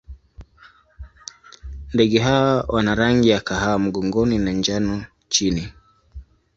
Ndege hawa wana rangi ya kahawa mgongoni na njano chini.